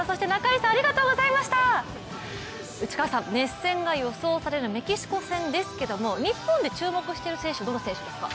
内川さん、熱戦が予想されるメキシコ戦ですけれども、日本で注目している選手、どの選手ですか？